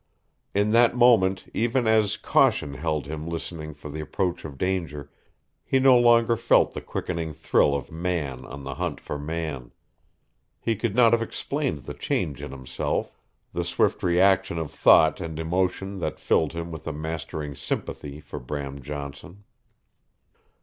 In that moment, even as caution held him listening for the approach of danger, he no longer felt the quickening thrill of man on the hunt for man. He could not have explained the change in himself the swift reaction of thought and emotion that filled him with a mastering sympathy for Bram Johnson.